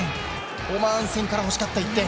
オマーン戦から欲しかった１点。